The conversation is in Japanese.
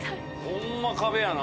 ホンマ壁やな。